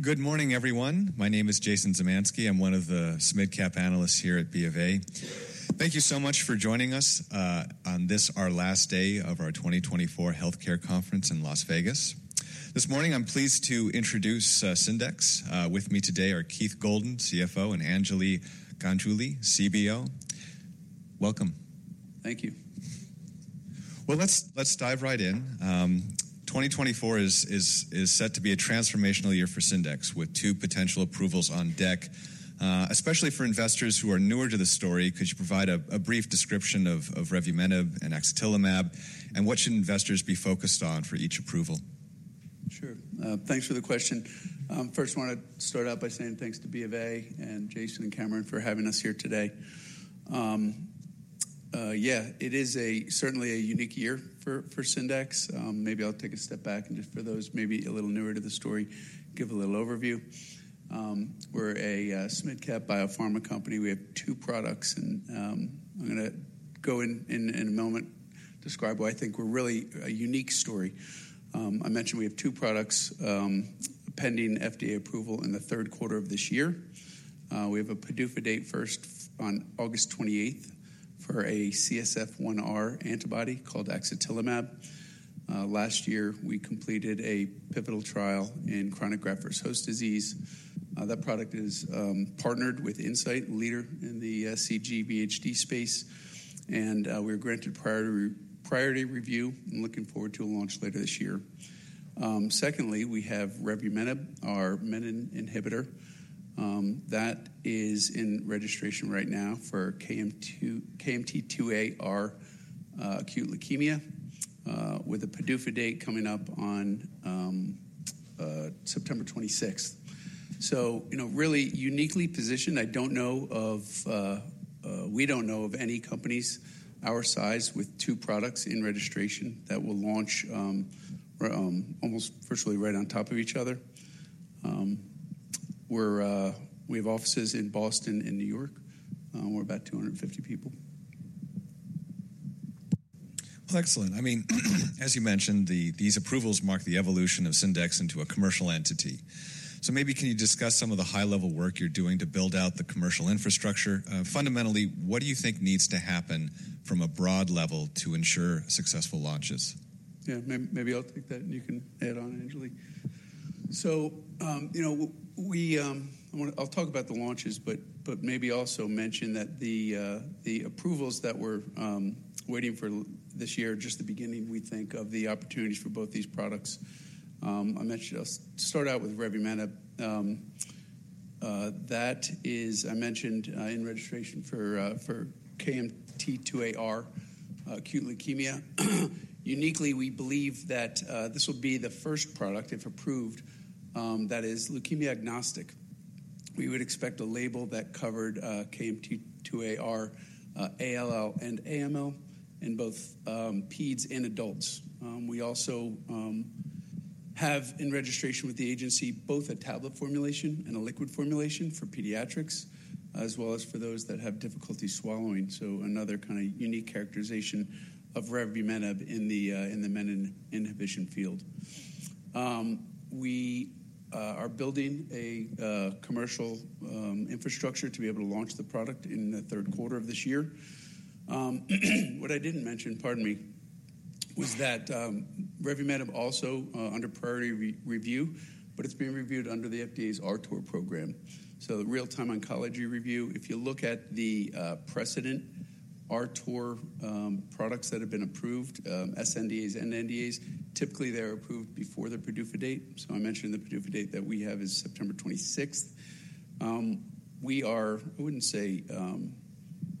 Good morning, everyone. My name is Jason Zemansky. I'm one of the mid-cap analysts here at BofA. Thank you so much for joining us on this, our last day of our 2024 Healthcare Conference in Las Vegas. This morning, I'm pleased to introduce Syndax. With me today are Keith Goldan, CFO, and Anjali Ganguli, CBO. Welcome. Thank you. Well, let's dive right in. 2024 is set to be a transformational year for Syndax, with two potential approvals on deck. Especially for investors who are newer to the story, could you provide a brief description of revumenib and axatilimab, and what should investors be focused on for each approval? Sure. Thanks for the question. First, I wanna start out by saying thanks to BofA and Jason and Cameron for having us here today. Yeah, it is certainly a unique year for Syndax. Maybe I'll take a step back and just for those maybe a little newer to the story, give a little overview. We're a mid-cap biopharma company. We have two products, and I'm gonna go in a moment describe why I think we're really a unique story. I mentioned we have two products pending FDA approval in the third quarter of this year. We have a PDUFA date first on August 28th for a CSF-1R antibody called axatilimab. Last year, we completed a pivotal trial in chronic graft-versus-host disease. That product is partnered with Incyte, leader in the cGVHD space, and we were granted priority review and looking forward to a launch later this year. Secondly, we have revumenib, our menin inhibitor, that is in registration right now for KMT2Ar acute leukemia, with a PDUFA date coming up on September twenty-sixth. So, you know, really uniquely positioned. We don't know of any companies our size with two products in registration that will launch almost virtually right on top of each other. We're, we have offices in Boston and New York. We're about 250 people. Well, excellent. I mean, as you mentioned, these approvals mark the evolution of Syndax into a commercial entity. So maybe can you discuss some of the high-level work you're doing to build out the commercial infrastructure? Fundamentally, what do you think needs to happen from a broad level to ensure successful launches? Yeah, maybe I'll take that, and you can add on, Anjali. So, you know, we, I'll talk about the launches, but maybe also mention that the approvals that we're waiting for this year are just the beginning, we think, of the opportunities for both these products. I mentioned. I'll start out with revumenib. That is, I mentioned in registration for KMT2Ar acute leukemia. Uniquely, we believe that this will be the first product, if approved, that is leukemia-agnostic. We would expect a label that covered KMT2Ar ALL and AML in both peds and adults. We also have in registration with the agency both a tablet formulation and a liquid formulation for pediatrics, as well as for those that have difficulty swallowing, so another kind of unique characterization of revumenib in the menin inhibition field. We are building a commercial infrastructure to be able to launch the product in the third quarter of this year. What I didn't mention, pardon me, was that revumenib also under priority review, but it's being reviewed under the FDA's RTOR program, so the Real-Time Oncology Review. If you look at the precedent RTOR products that have been approved, sNDAs and NDAs, typically, they're approved before the PDUFA date. So I mentioned the PDUFA date that we have is September 26th. We are, I wouldn't say,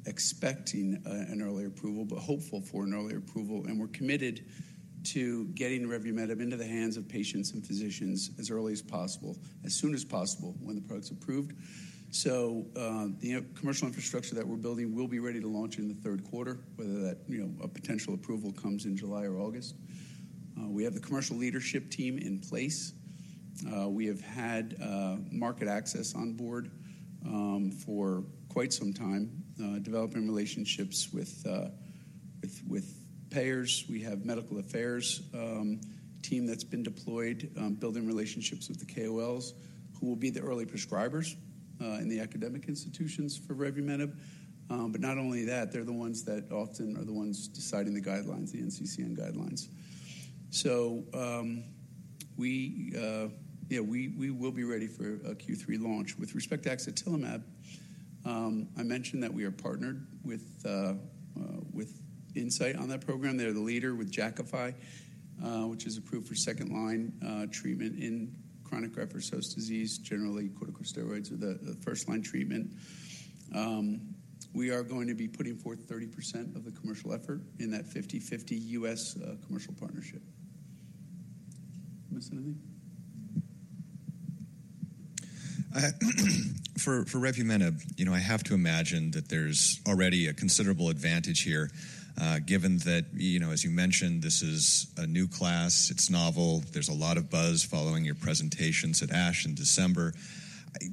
expecting an earlier approval, but hopeful for an earlier approval, and we're committed to getting revumenib into the hands of patients and physicians as early as possible, as soon as possible, when the product's approved. So, the commercial infrastructure that we're building will be ready to launch in the third quarter, whether that, you know, a potential approval comes in July or August. We have the commercial leadership team in place. We have had market access on board for quite some time, developing relationships with payers. We have medical affairs team that's been deployed, building relationships with the KOLs, who will be the early prescribers in the academic institutions for revumenib. But not only that, they're the ones that often are the ones deciding the guidelines, the NCCN guidelines. We will be ready for a Q3 launch. With respect to axatilimab, I mentioned that we are partnered with with Incyte on that program. They're the leader with Jakafi, which is approved for second-line treatment in chronic graft-versus-host disease. Generally, corticosteroids are the first-line treatment. We are going to be putting forth 30% of the commercial effort in that 50/50 U.S. commercial partnership. You wanna say anything? For revumenib, you know, I have to imagine that there's already a considerable advantage here, given that, you know, as you mentioned, this is a new class. It's novel. There's a lot of buzz following your presentations at ASH in December.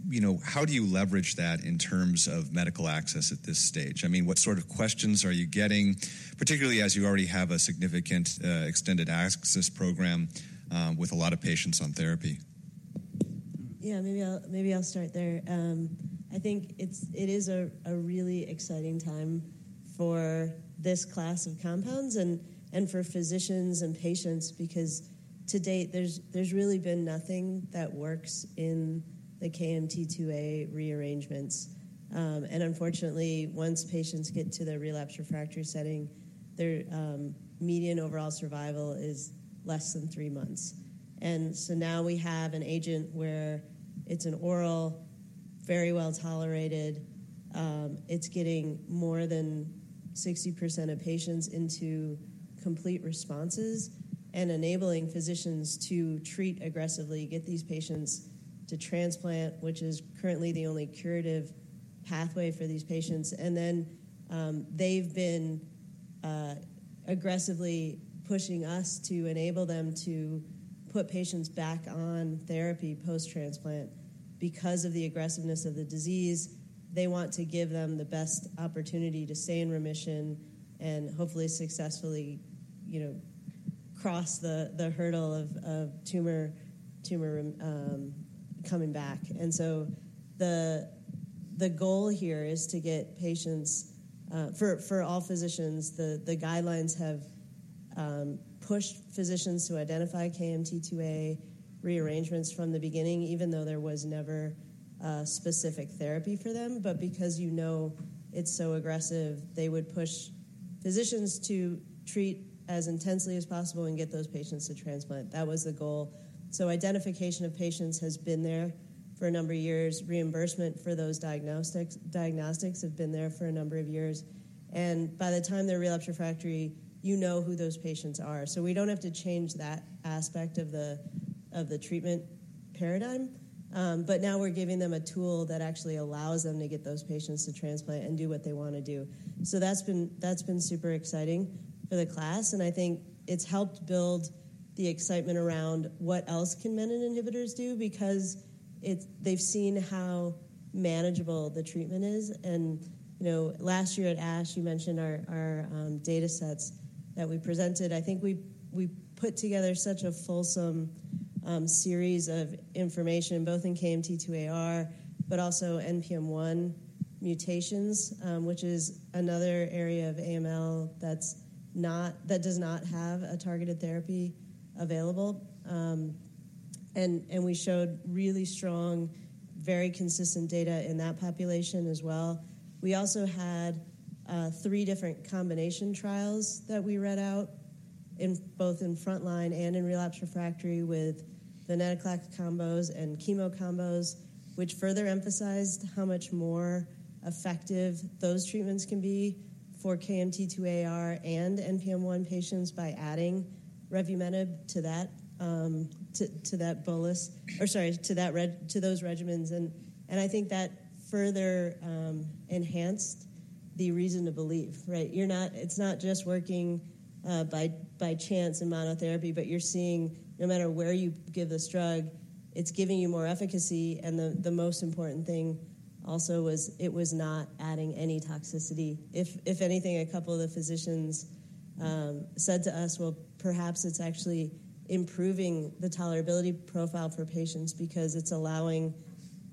You know, how do you leverage that in terms of medical access at this stage? I mean, what sort of questions are you getting, particularly as you already have a significant extended access program with a lot of patients on therapy? Yeah, maybe I'll, maybe I'll start there. I think it's, it is a really exciting time for this class of compounds and for physicians and patients, because to date, there's really been nothing that works in the KMT2A rearrangements. And unfortunately, once patients get to their relapsed refractory setting, their median overall survival is less than 3 months. And so now we have an agent where it's an oral, very well-tolerated, it's getting more than 60% of patients into complete responses and enabling physicians to treat aggressively, get these patients to transplant, which is currently the only curative pathway for these patients. And then, they've been aggressively pushing us to enable them to put patients back on therapy post-transplant. Because of the aggressiveness of the disease, they want to give them the best opportunity to stay in remission and hopefully successfully, you know, cross the hurdle of tumor coming back. So the goal here is to get patients for all physicians, the guidelines have pushed physicians to identify KMT2A rearrangements from the beginning, even though there was never a specific therapy for them. But because you know it's so aggressive, they would push physicians to treat as intensely as possible and get those patients to transplant. That was the goal. So identification of patients has been there for a number of years. Reimbursement for those diagnostics have been there for a number of years, and by the time they're relapsed refractory, you know who those patients are. So we don't have to change that aspect of the treatment paradigm. But now we're giving them a tool that actually allows them to get those patients to transplant and do what they want to do. So that's been super exciting for the class, and I think it's helped build the excitement around what else can menin inhibitors do, because they've seen how manageable the treatment is. And, you know, last year at ASH, you mentioned our data sets that we presented. I think we put together such a fulsome series of information, both in KMT2Ar, but also NPM1 mutations, which is another area of AML that does not have a targeted therapy available. And we showed really strong, very consistent data in that population as well. We also had three different combination trials that we read out in both in frontline and in relapsed refractory, with venetoclax combos and chemo combos, which further emphasized how much more effective those treatments can be for KMT2AR and NPM1 patients by adding revumenib to that, to that bolus, or sorry, to those regimens. And I think that further enhanced the reason to believe, right? You're not. It's not just working by chance in monotherapy, but you're seeing no matter where you give this drug, it's giving you more efficacy, and the most important thing also was it was not adding any toxicity. If, if anything, a couple of the physicians said to us, "Well, perhaps it's actually improving the tolerability profile for patients because it's allowing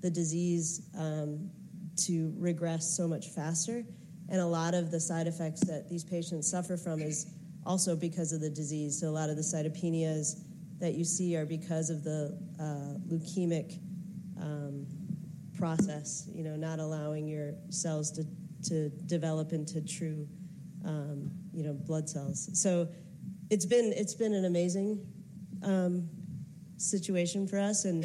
the disease to regress so much faster." And a lot of the side effects that these patients suffer from is also because of the disease. So a lot of the cytopenias that you see are because of the leukemic process, you know, not allowing your cells to develop into true blood cells. So it's been an amazing situation for us. And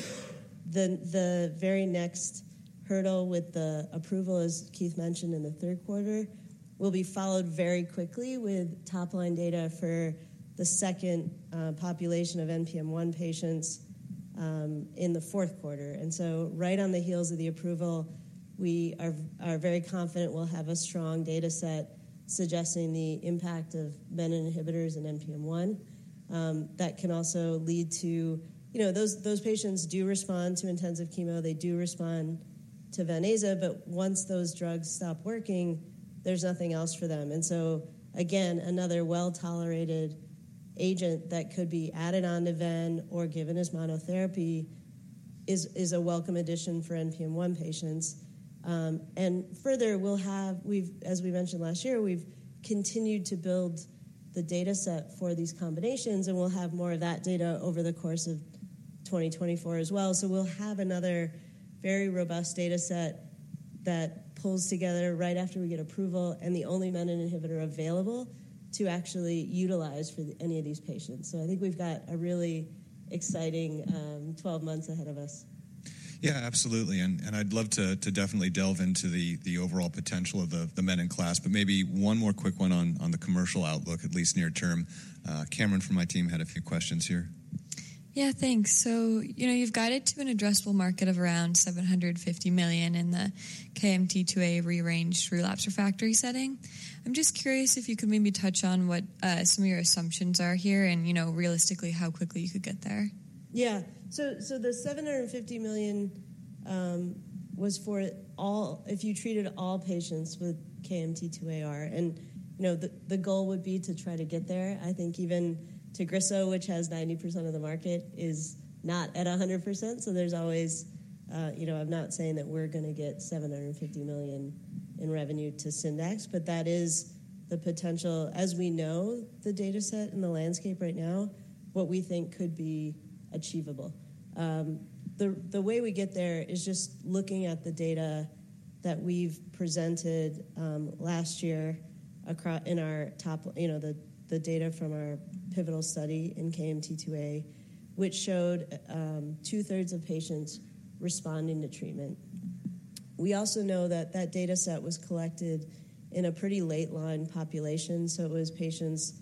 the very next hurdle with the approval, as Keith mentioned in the third quarter, will be followed very quickly with top-line data for the second population of NPM1 patients in the fourth quarter. And so right on the heels of the approval, we are very confident we'll have a strong data set suggesting the impact of menin inhibitors in NPM1. That can also lead to—you know, those patients do respond to intensive chemo. They do respond to Ven/Aza, but once those drugs stop working, there's nothing else for them. And so, again, another well-tolerated agent that could be added on to Ven or given as monotherapy is a welcome addition for NPM1 patients. And further, as we mentioned last year, we've continued to build the data set for these combinations, and we'll have more of that data over the course of 2024 as well. So we'll have another very robust data set that pulls together right after we get approval and the only menin inhibitor available to actually utilize for any of these patients. So I think we've got a really exciting 12 months ahead of us. Yeah, absolutely. And I'd love to definitely delve into the overall potential of the menin class, but maybe one more quick one on the commercial outlook, at least near term. Cameron from my team had a few questions here. Yeah, thanks. So, you know, you've guided to an addressable market of around $750 million in the KMT2A rearranged relapse refractory setting. I'm just curious if you could maybe touch on what some of your assumptions are here and, you know, realistically, how quickly you could get there. Yeah. So, so the $750 million was for all, if you treated all patients with KMT2AR, and, you know, the, the goal would be to try to get there. I think even Tagrisso, which has 90% of the market, is not at a 100%. So there's always, you know, I'm not saying that we're gonna get $750 million in revenue to Syndax, but that is the potential. As we know, the dataset and the landscape right now, what we think could be achievable. The, the way we get there is just looking at the data that we've presented, last year in our top, you know, the, the data from our pivotal study in KMT2A, which showed, two-thirds of patients responding to treatment. We also know that that dataset was collected in a pretty late-line population, so it was patients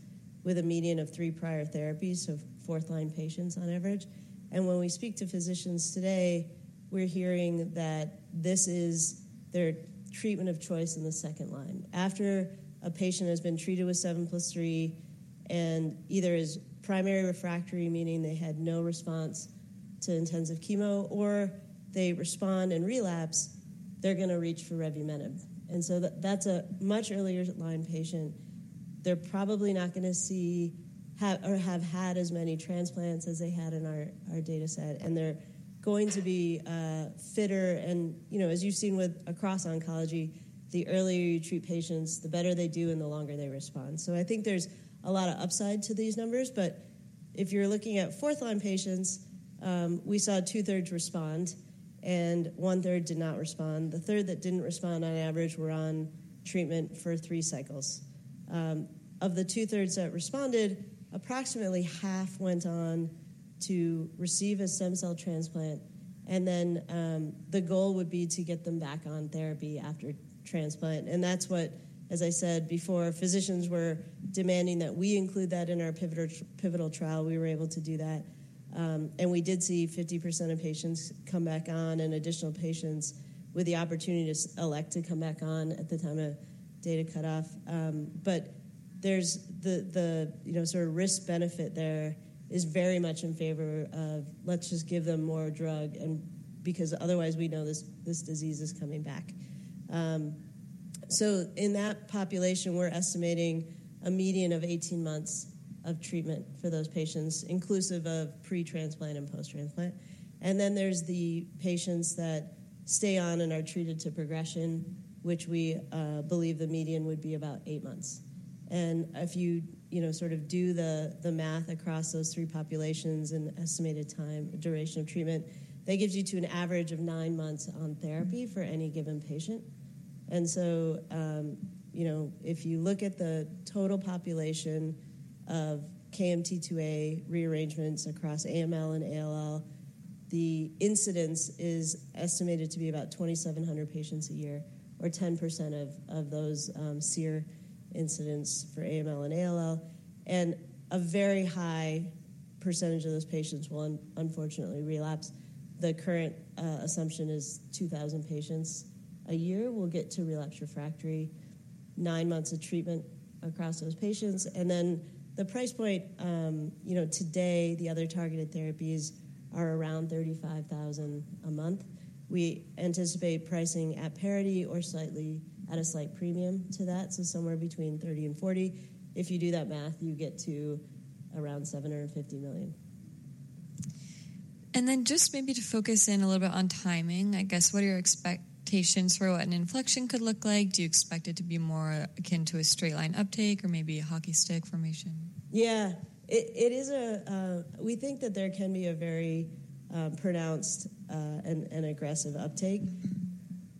with a median of 3 prior therapies, so fourth-line patients on average. When we speak to physicians today, we're hearing that this is their treatment of choice in the second line. After a patient has been treated with 7+3 and either is primary refractory, meaning they had no response to intensive chemo, or they respond and relapse, they're gonna reach for revumenib. So that's a much earlier line patient. They're probably not gonna see, have or have had as many transplants as they had in our dataset, and they're going to be fitter. You know, as you've seen with across oncology, the earlier you treat patients, the better they do and the longer they respond. So I think there's a lot of upside to these numbers, but if you're looking at fourth-line patients, we saw two-thirds respond and one-third did not respond. The third that didn't respond on average were on treatment for three cycles. Of the two-thirds that responded, approximately half went on to receive a stem cell transplant, and then, the goal would be to get them back on therapy after transplant. And that's what, as I said before, physicians were demanding that we include that in our pivotal trial. We were able to do that, and we did see 50% of patients come back on and additional patients with the opportunity to elect to come back on at the time of data cutoff. But there's the, you know, sort of risk-benefit there is very much in favor of let's just give them more drug and because otherwise we know this disease is coming back. So in that population, we're estimating a median of 18 months of treatment for those patients, inclusive of pre-transplant and post-transplant. And then there's the patients that stay on and are treated to progression, which we believe the median would be about 8 months. And if you, you know, sort of do the math across those three populations and estimated time, duration of treatment, that gives you to an average of 9 months on therapy for any given patient. And so, you know, if you look at the total population of KMT2A rearrangements across AML and ALL, the incidence is estimated to be about 2,700 patients a year, or 10% of those SEER incidence for AML and ALL, and a very high percentage of those patients will unfortunately relapse. The current assumption is 2,000 patients a year will get to relapse refractory, 9 months of treatment across those patients. And then the price point, you know, today, the other targeted therapies are around $35,000 a month. We anticipate pricing at parity or slightly at a slight premium to that, so somewhere between $30,000-$40,000. If you do that math, you get to around $750 million. And then just maybe to focus in a little bit on timing, I guess, what are your expectations for what an inflection could look like? Do you expect it to be more akin to a straight line uptake or maybe a hockey stick formation? Yeah, it is. We think that there can be a very pronounced and aggressive uptake,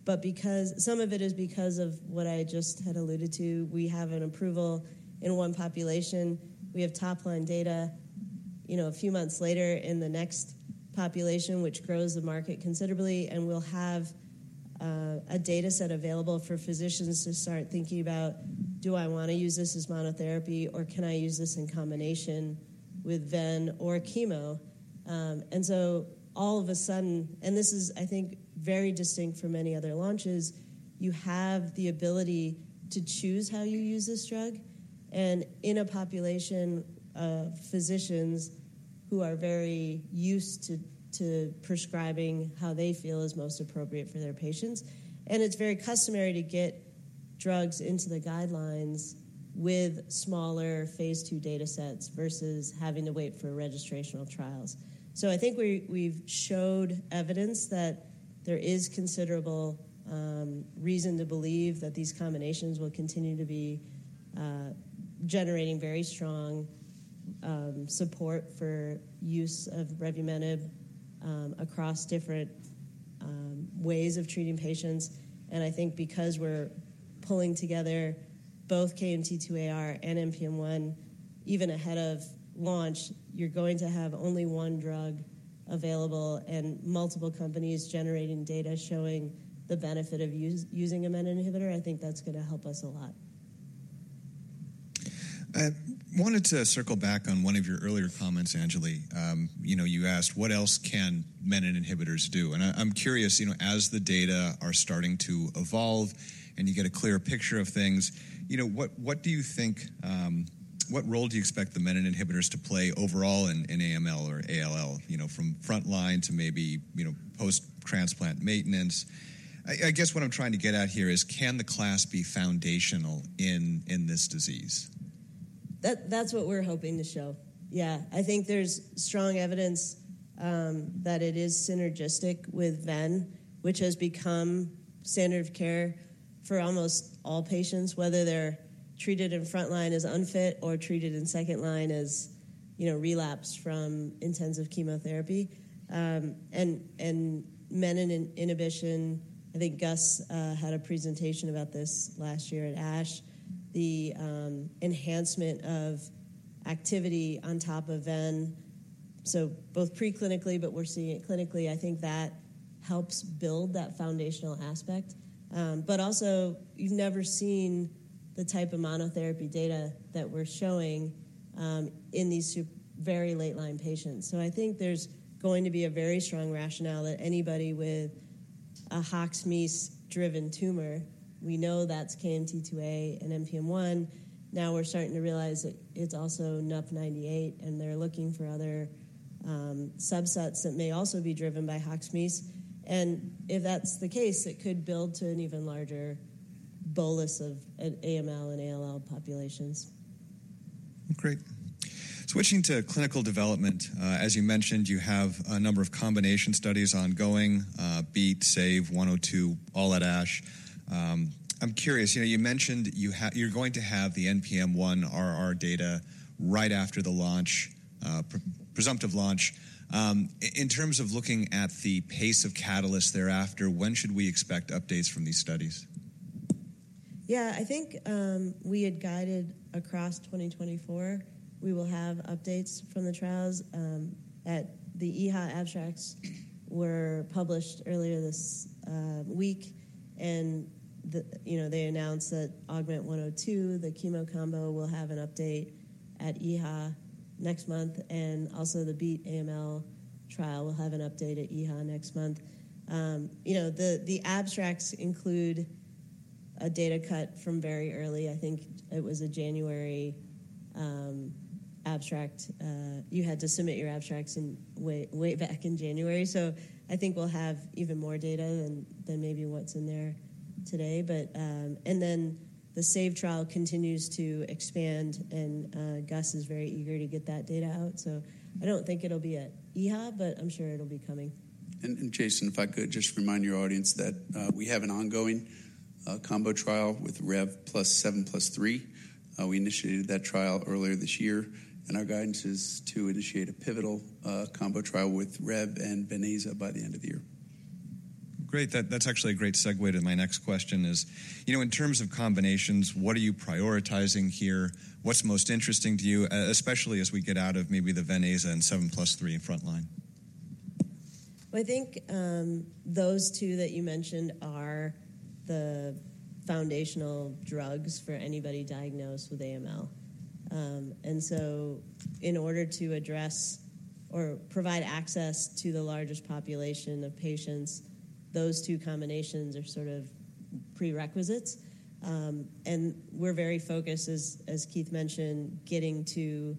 but because some of it is because of what I just had alluded to. We have an approval in one population. We have top-line data, you know, a few months later in the next population, which grows the market considerably, and we'll have a dataset available for physicians to start thinking about: Do I wanna use this as monotherapy, or can I use this in combination with ven or chemo? And so all of a sudden, and this is, I think, very distinct from many other launches, you have the ability to choose how you use this drug and in a population of physicians who are very used to prescribing how they feel is most appropriate for their patients. And it's very customary to get drugs into the guidelines with smaller phase II datasets versus having to wait for registrational trials. So I think we've showed evidence that there is considerable reason to believe that these combinations will continue to be generating very strong support for use of revumenib across different ways of treating patients. And I think because we're pulling together both KMT2Ar and NPM1, even ahead of launch, you're going to have only one drug available and multiple companies generating data showing the benefit of using a menin inhibitor. I think that's gonna help us a lot. I wanted to circle back on one of your earlier comments, Anjali. You know, you asked: What else can menin inhibitors do? And I, I'm curious, you know, as the data are starting to evolve and you get a clearer picture of things, you know, what, what do you think, What role do you expect the menin inhibitors to play overall in, in AML or ALL, you know, from frontline to maybe, you know, post-transplant maintenance? I, I guess what I'm trying to get at here is, can the class be foundational in, in this disease? That, that's what we're hoping to show. Yeah, I think there's strong evidence that it is synergistic with Ven, which has become standard of care for almost all patients, whether they're treated in frontline as unfit or treated in second line as, you know, relapsed from intensive chemotherapy. And menin inhibition, I think Gus had a presentation about this last year at ASH, the enhancement of activity on top of Ven, so both preclinically, but we're seeing it clinically. I think that helps build that foundational aspect. But also, you've never seen the type of monotherapy data that we're showing in these very late line patients. So I think there's going to be a very strong rationale that anybody with a HOX/MEIS-driven tumor, we know that's KMT2A and NPM1. Now we're starting to realize that it's also NUP98, and they're looking for other, subsets that may also be driven by HOX/MEIS. If that's the case, it could build to an even larger bolus of an AML and ALL populations. Great. Switching to clinical development, as you mentioned, you have a number of combination studies ongoing, BEAT, SAVE, 102, all at ASH. I'm curious, you know, you mentioned you're going to have the NPM1 RR data right after the launch, presumptive launch. In terms of looking at the pace of catalysts thereafter, when should we expect updates from these studies? Yeah, I think we had guided across 2024. We will have updates from the trials at the EHA. Abstracts were published earlier this week, and you know, they announced that AUGMENT-102, the chemo combo, will have an update at EHA next month, and also the BEAT AML trial will have an update at EHA next month. You know, the abstracts include a data cut from very early. I think it was a January abstract. You had to submit your abstracts in way, way back in January, so I think we'll have even more data than maybe what's in there today. But and then the SAVE trial continues to expand, and Gus is very eager to get that data out. So I don't think it'll be at EHA, but I'm sure it'll be coming. And Jason, if I could just remind your audience that we have an ongoing combo trial with Rev plus 7 + 3. We initiated that trial earlier this year, and our guidance is to initiate a pivotal combo trial with Rev and Ven/Aza by the end of the year. Great, that's actually a great segue to my next question, you know, in terms of combinations, what are you prioritizing here? What's most interesting to you, especially as we get out of maybe the Ven/Aza and 7 + 3 in frontline? Well, I think those two that you mentioned are the foundational drugs for anybody diagnosed with AML. And so in order to address or provide access to the largest population of patients, those two combinations are sort of prerequisites. And we're very focused, as Keith mentioned, getting to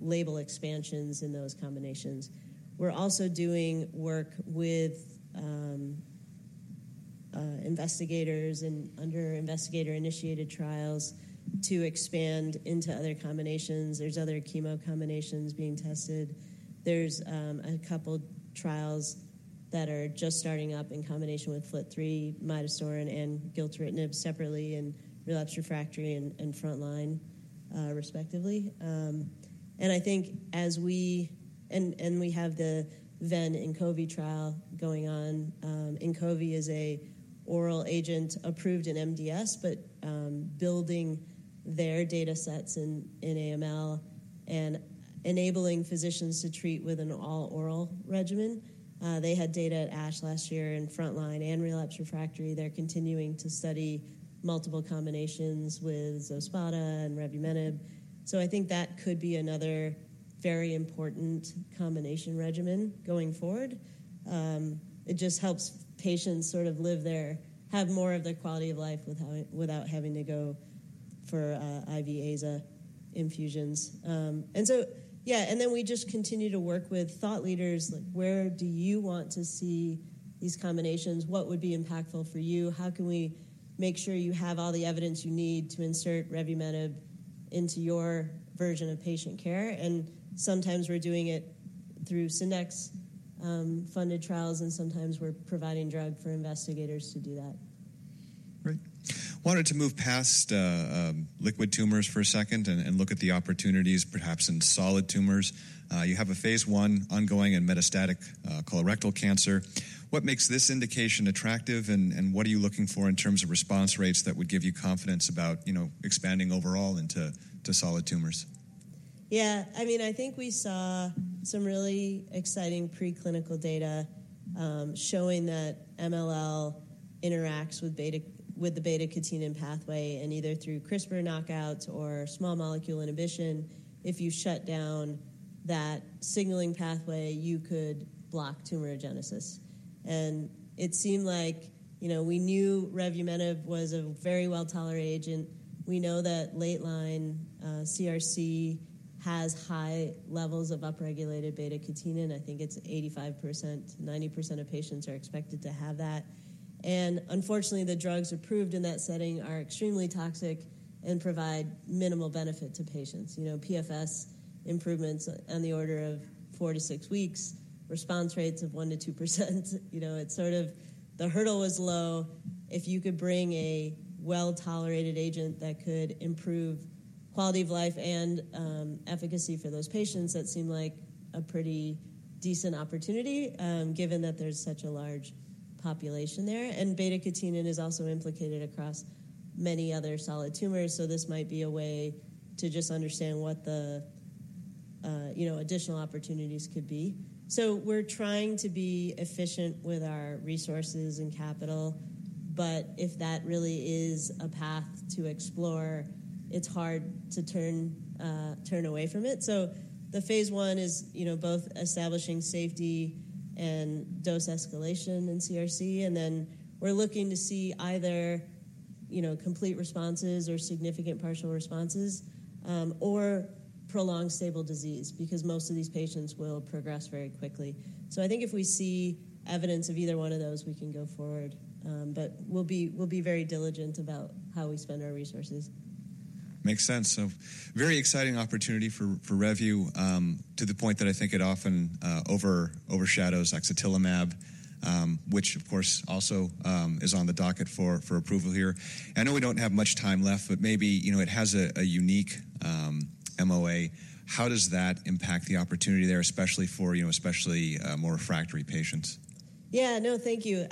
label expansions in those combinations. We're also doing work with investigators and under investigator-initiated trials to expand into other combinations. There's other chemo combinations being tested. There's a couple trials that are just starting up in combination with FLT3, midostaurin, and gilteritinib separately in relapsed, refractory and frontline, respectively. And I think and we have the Inqovi trial going on. Inqovi is an oral agent approved in MDS, but building their data sets in AML and enabling physicians to treat with an all-oral regimen. They had data at ASH last year in frontline and relapsed refractory. They're continuing to study multiple combinations with Zospata and revumenib. So I think that could be another very important combination regimen going forward. It just helps patients sort of live their-have more of their quality of life without having to go for IV AZA infusions. And so, yeah, and then we just continue to work with thought leaders, like, where do you want to see these combinations? What would be impactful for you? How can we make sure you have all the evidence you need to insert revumenib into your version of patient care? And sometimes we're doing it through Syndax-funded trials, and sometimes we're providing drug for investigators to do that. Great. Wanted to move past liquid tumors for a second and look at the opportunities perhaps in solid tumors. You have a phase I ongoing in metastatic colorectal cancer. What makes this indication attractive, and what are you looking for in terms of response rates that would give you confidence about, you know, expanding overall into solid tumors? Yeah, I mean, I think we saw some really exciting preclinical data, showing that MLL interacts with beta, with the beta-catenin pathway, and either through CRISPR knockouts or small molecule inhibition, if you shut down that signaling pathway, you could block tumorigenesis. And it seemed like, you know, we knew revumenib was a very well-tolerated agent. We know that late-line, CRC has high levels of upregulated beta-catenin. I think it's 85%, 90% of patients are expected to have that. And unfortunately, the drugs approved in that setting are extremely toxic and provide minimal benefit to patients. You know, PFS improvements on the order of 4-6 weeks, response rates of 1%-2%. You know, it's sort of the hurdle was low if you could bring a well-tolerated agent that could improve quality of life and, efficacy for those patients. That seemed like a pretty decent opportunity, given that there's such a large population there. And beta-catenin is also implicated across many other solid tumors, so this might be a way to just understand what the, you know, additional opportunities could be. So we're trying to be efficient with our resources and capital, but if that really is a path to explore, it's hard to turn away from it. So the phase I is, you know, both establishing safety and dose escalation in CRC, and then we're looking to see either, you know, complete responses or significant partial responses, or prolonged stable disease, because most of these patients will progress very quickly. So I think if we see evidence of either one of those, we can go forward, but we'll be very diligent about how we spend our resources. Makes sense. So very exciting opportunity for Revu, to the point that I think it often overshadows axatilimab, which of course also is on the docket for approval here. I know we don't have much time left, but maybe, you know, it has a unique MOA. How does that impact the opportunity there, especially for, you know, especially, more refractory patients? Yeah. No, thank you.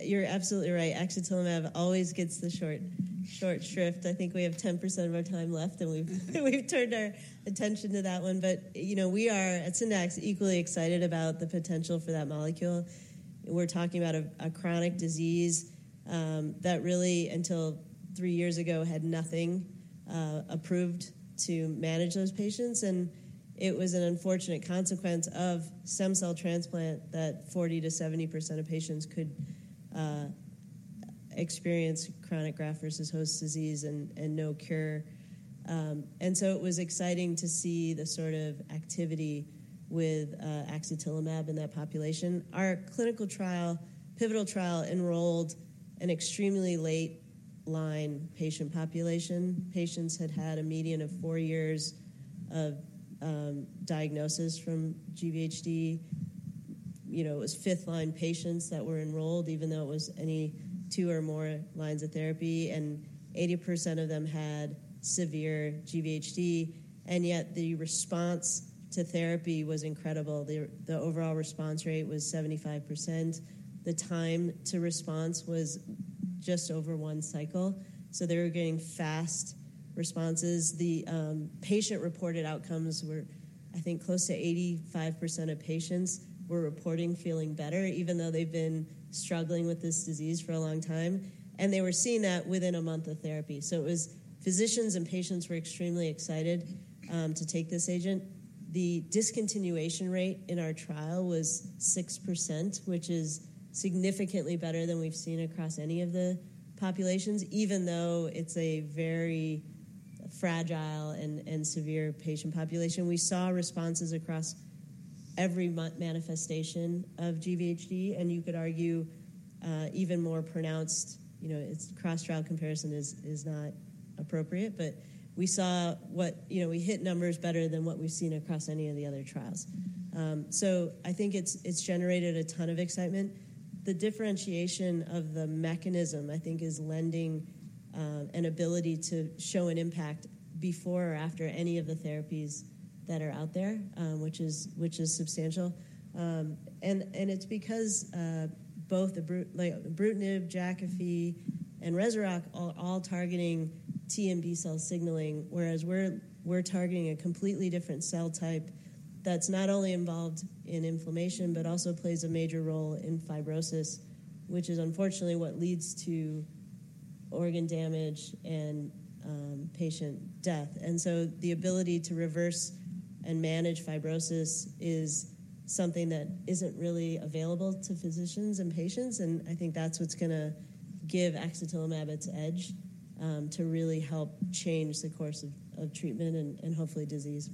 You're absolutely right. Axatilimab always gets the short shrift. I think we have 10% of our time left, and we've turned our attention to that one. But, you know, we are, at Syndax, equally excited about the potential for that molecule. We're talking about a chronic disease that really, until three years ago, had nothing approved to manage those patients, and it was an unfortunate consequence of stem cell transplant that 40%-70% of patients could experience chronic graft-versus-host disease and no cure. And so it was exciting to see the sort of activity with axatilimab in that population. Our clinical trial, pivotal trial, enrolled an extremely late-line patient population. Patients had had a median of four years of diagnosis from GVHD. You know, it was fifth-line patients that were enrolled, even though it was any two or more lines of therapy, and 80% of them had severe GVHD, and yet the response to therapy was incredible. The overall response rate was 75%. The time to response was just over one cycle, so they were getting fast responses. The patient-reported outcomes were, I think, close to 85% of patients were reporting feeling better, even though they've been struggling with this disease for a long time, and they were seeing that within a month of therapy. So it was—Physicians and patients were extremely excited to take this agent. The discontinuation rate in our trial was 6%, which is significantly better than we've seen across any of the populations, even though it's a very fragile and severe patient population. We saw responses across every manifestation of GVHD, and you could argue, even more pronounced, you know, its cross-trial comparison is not appropriate. But you know, we hit numbers better than what we've seen across any of the other trials. So I think it's generated a ton of excitement. The differentiation of the mechanism, I think, is lending an ability to show an impact before or after any of the therapies that are out there, which is substantial. And it's because both the BTK-like ibrutinib, Jakafi, and Rezurock are all targeting T and B cell signaling, whereas we're targeting a completely different cell type that's not only involved in inflammation but also plays a major role in fibrosis, which is unfortunately what leads to organ damage and patient death. And so the ability to reverse and manage fibrosis is something that isn't really available to physicians and patients, and I think that's what's gonna give axatilimab its edge, to really help change the course of treatment and hopefully disease.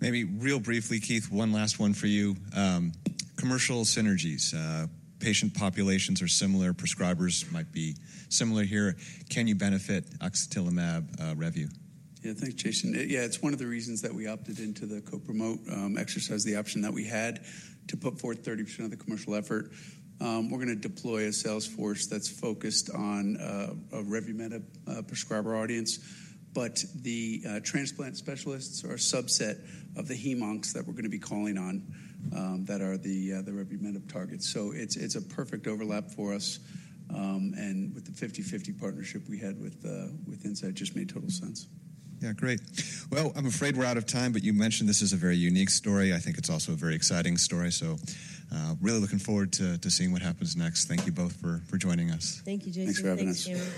Maybe real briefly, Keith, one last one for you. Commercial synergies. Patient populations are similar, prescribers might be similar here. Can you benefit axatilimab, Revu? Yeah. Thanks, Jason. Yeah, it's one of the reasons that we opted into the co-promote exercise, the option that we had to put forward 30% of the commercial effort. We're gonna deploy a sales force that's focused on a revumenib prescriber audience. But the transplant specialists are a subset of the hemoncs that we're gonna be calling on that are the revumenib targets. So it's a perfect overlap for us, and with the 50/50 partnership we had with Incyte, just made total sense. Yeah, great. Well, I'm afraid we're out of time, but you mentioned this is a very unique story. I think it's also a very exciting story, so really looking forward to seeing what happens next. Thank you both for joining us. Thank you, Jason. Thanks for having us.